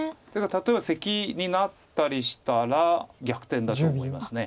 だから例えばセキになったりしたら逆転だと思います。